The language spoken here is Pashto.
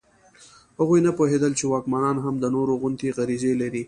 هغوی نه پوهېدل چې واکمنان هم د نورو غوندې غریزې لري.